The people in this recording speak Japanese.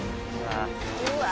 うわ。